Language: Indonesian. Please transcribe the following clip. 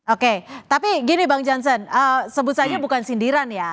oke tapi gini bang jansen sebut saja bukan sindiran ya